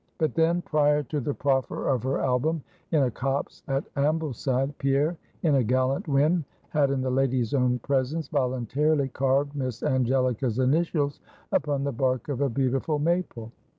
But then prior to the proffer of her album in a copse at Ambleside, Pierre in a gallant whim had in the lady's own presence voluntarily carved Miss Angelica's initials upon the bark of a beautiful maple.